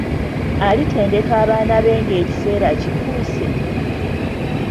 Alitendeka abaana be ng'ekiseera kituuse?